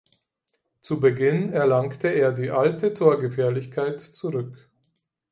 Zu Beginn erlangte er die alte Torgefährlichkeit zurück.